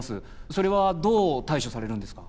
それはどう対処されるんですか？